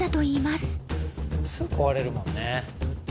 すぐ壊れるもんね